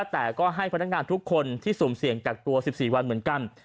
แต่ก็ให้พนักงานทุกคนที่สุ่มเสี่ยงกักตัว๑๔วันเหมือนกัน